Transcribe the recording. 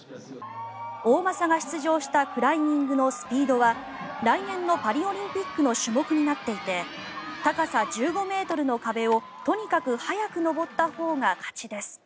大政が出場したクライミングのスピードは来年のパリオリンピックの種目になっていて高さ１５ｍの壁をとにかく早く登ったほうが勝ちです。